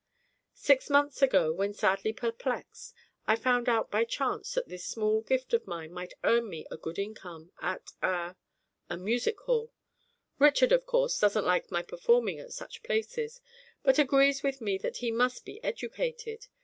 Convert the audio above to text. Six months ago, when sadly perplexed, I found out by chance that this small gift of mine might earn me a good income at a a music hall. Richard, of course, doesn't like my performing at such places, but agrees with me that he must be educated.